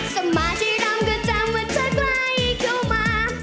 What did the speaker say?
สม่าที่ร่ำก็จำว่าเธอกลายเข้ามา